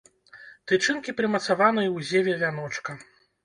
Тычынкі прымацаваныя ў зеве вяночка.